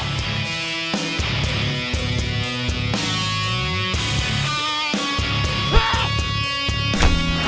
jangan kita harus berbicara